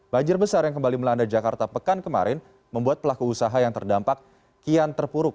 banjir besar yang kembali melanda jakarta pekan kemarin membuat pelaku usaha yang terdampak kian terpuruk